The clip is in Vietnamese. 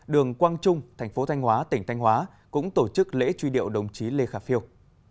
đường quang trung thành phố thanh hóa tỉnh thanh hóa cũng tổ chức lễ truy điệu đồng chí lê khả phiêu